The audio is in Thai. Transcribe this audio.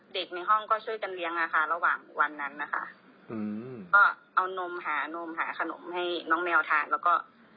ในห้องก็ช่วยกันเลี้ยงอะค่ะระหว่างวันนั้นนะคะอืมก็เอานมหานมหาขนมให้น้องแมวทานแล้วก็